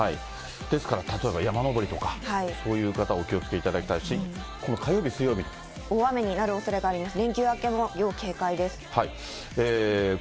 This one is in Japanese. ですから例えば山登りとか、そういう方、お気をつけいただきたいし、この火曜日、大雨になるおそれがあります。